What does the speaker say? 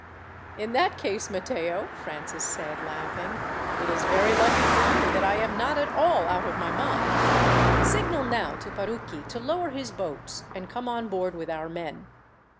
"In that case, Matteo," Francis said, laughing, "it is very lucky for you that I am not at all out of my mind. Signal now to Parucchi to lower his boats, and come on board with our men.